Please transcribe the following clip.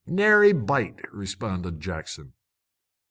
"Nary bite!" responded Jackson.